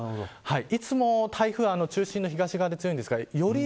いつも台風は中心の東側で強いんですがより